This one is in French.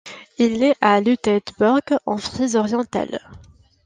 Il naît à Lütetsburg, en Frise orientale.